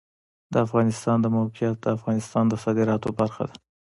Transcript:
د افغانستان د موقعیت د افغانستان د صادراتو برخه ده.